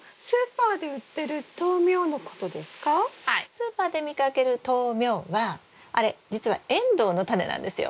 スーパーで見かける豆苗はあれ実はエンドウのタネなんですよ。